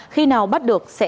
khi nào bắt được sẽ xử lý sau